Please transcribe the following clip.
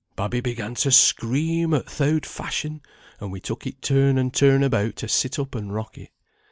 Babby began to scream o' th' oud fashion, and we took it turn and turn about to sit up and rock it.